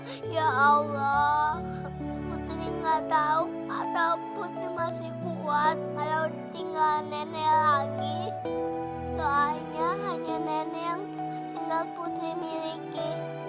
soalnya hanya nenek yang tinggal putri miliki